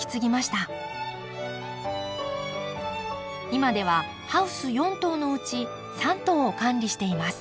今ではハウス４棟のうち３棟を管理しています。